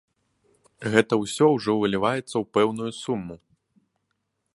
Гэта ўсё ўжо выліваецца ў пэўную суму.